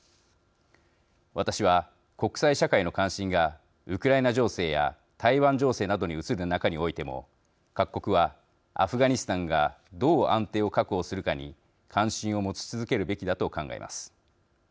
私は国際社会の関心がウクライナ情勢や台湾情勢などに移る中においても各国はアフガニスタンがどう安定を確保するかに関心を持ち続けるべきだと考えます。